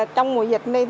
trong mùa dịch này